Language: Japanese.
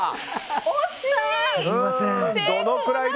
惜しい！